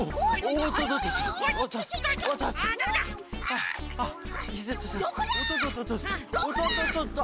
おっとっとっとあ。